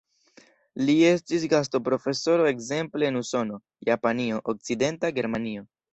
Li estis gastoprofesoro ekzemple en Usono, Japanio, Okcidenta Germanio.